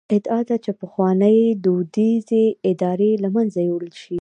ادعا ده چې پخوانۍ دودیزې ادارې له منځه یووړل شي.